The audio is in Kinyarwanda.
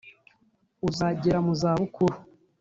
uzagera mu za bukuru